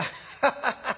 ハハハッ。